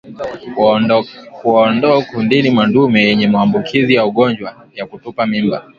Kuwaondoa kundini madume yenye maambukizi ya ugonjwa wa kutupa mimba